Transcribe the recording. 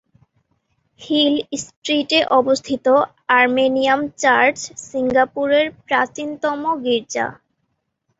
Hill স্ট্রিটে অবস্থিত Armenian church সিঙ্গাপুরের প্রাচীনতম গির্জা।